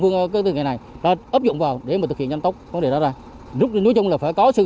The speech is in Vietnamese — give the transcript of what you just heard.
phương án từ ngày này đã ấp dụng vào để thực hiện nhanh tốc vấn đề đó ra nói chung là phải có sự